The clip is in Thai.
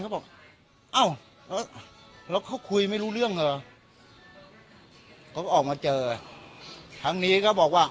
เขาบอกอ้าวแล้วเขาคุยไม่รู้เรื่องเหรอเขาออกมาเจอครั้งนี้ก็บอกว่า